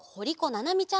ななみちゃん。